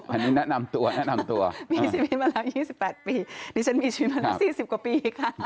อันนี้แนะนำตัวแนะนำตัวมีชีวิตมาแล้ว๒๘ปีดิฉันมีชีวิตมาแล้ว๔๐กว่าปีค่ะ